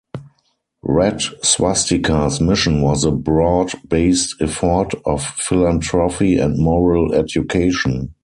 Red Swastika's mission was a broad based effort of philanthropy and moral education.